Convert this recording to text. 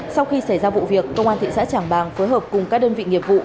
sau khi xảy ra vụ việc công an thị xã trảng bàng phối hợp cùng các đơn vị nghiệp vụ